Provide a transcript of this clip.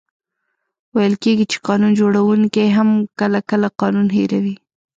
ویل کېږي چي قانون جوړونکې هم کله، کله قانون هېروي.